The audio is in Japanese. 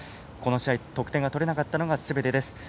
この試合、得点が取れなかったのがすべてです。